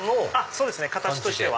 そうですね形としては。